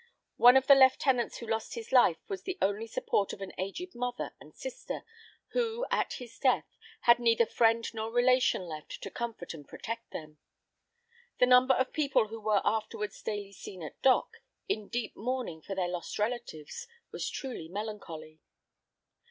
One of the lieutenants who lost his life was the only support of an aged mother and sister, who, at his death, had neither friend nor relation left to comfort and protect them. The number of people who were afterwards daily seen at Dock, in deep mourning for their lost relatives, was truly melancholy.